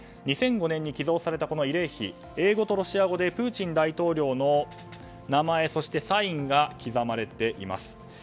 ２００５年に寄贈されたこの慰霊碑英語とロシア語でプーチン大統領の名前そしてサインが刻まれています。